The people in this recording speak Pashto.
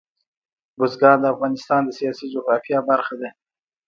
بزګان د افغانستان د سیاسي جغرافیه برخه ده.